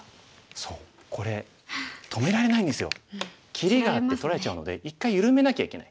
切りがあって取られちゃうので一回緩めなきゃいけない。